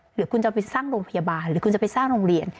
หรือคุณจะไปสร้างโรงพยาบาลหรือคุณจะไปสร้างโรงเรียน